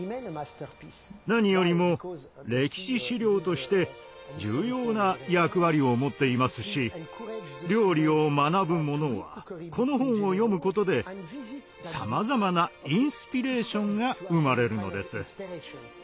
何よりも歴史資料として重要な役割を持っていますし料理を学ぶ者はこの本を読むことでさまざまなインスピレーションが生まれるのです。